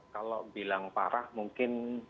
kalau bilang parah mungkin